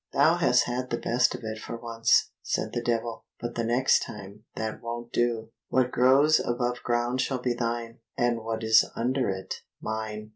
"Thou hast had the best of it for once," said the Devil, "but the next time that won't do. What grows above ground shall be thine, and what is under it, mine."